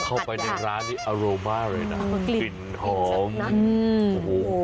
เข้าไปร้านอารม์ะเลยนะกลิ่นหอมเธอเสีย